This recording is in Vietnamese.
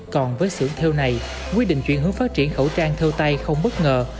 còn với xưởng theo này quy định chuyển hướng phát triển khẩu trang theo tay không bất ngờ